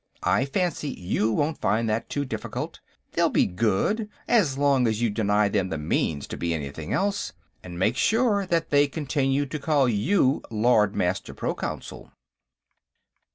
I fancy you won't find that too difficult. They'll be good, as long as you deny them the means to be anything else. And make sure that they continue to call you Lord Master Proconsul."